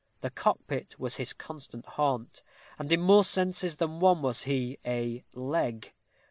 The cock pit was his constant haunt, and in more senses than one was he a leg.